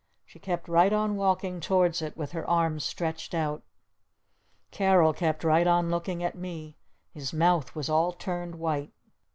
She kept right on walking towards it with her arms stretched out. Carol kept right on looking at me. His mouth was all turned white.